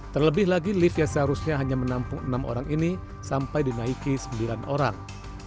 terlebih lagi lift yang seharusnya hanya menampung enam orang ini sampai dinaiki sembilan orang